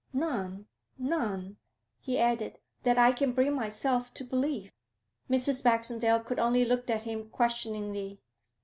'None none,' he added, 'that I can bring myself to believe.' Mrs. Baxendale could only look at him questioningly.